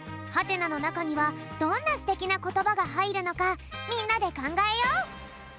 「？」のなかにはどんなすてきなことばがはいるのかみんなでかんがえよう。